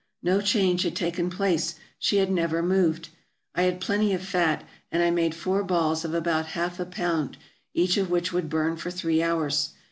No change had taken place; she had never moved. I had plenty of fat, and I made four balls of about half a pound, each of which would burn for three hours.